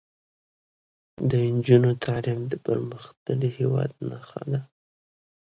د نجونو تعلیم د پرمختللي هیواد نښه ده.